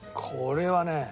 これはね。